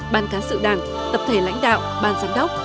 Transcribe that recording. ban cán sự đảng tập thể lãnh đạo ban giám đốc